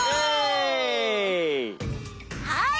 はい。